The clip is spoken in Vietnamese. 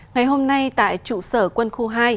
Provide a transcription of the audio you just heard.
ngày hôm nay tại trụ sở quân khu hai